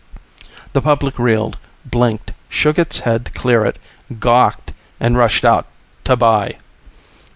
The public reeled, blinked, shook its head to clear it, gawked, and rushed out to buy.